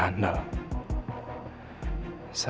ini orang beneran mafia handal